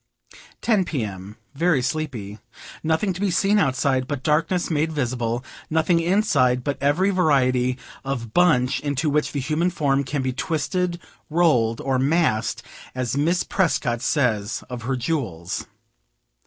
Ten P. M. Very sleepy. Nothing to be seen outside, but darkness made visible; nothing inside but every variety of bunch into which the human form can be twisted, rolled, or "massed," as Miss Prescott says of her jewels.